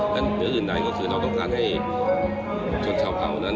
เหนืออื่นใดก็คือเราต้องการให้ชนชาวเผ่านั้น